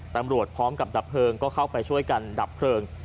ตำรวจพร้อมกับดับเพลิงก็เข้าไปช่วยกันดับเพลิง